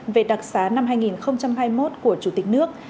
về đặc xá năm hai nghìn hai mươi một của chủ tịch nước